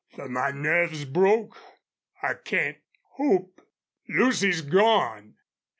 Fer my nerve's broke. I can't hope.... Lucy's gone!